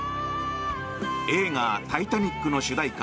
映画「タイタニック」の主題歌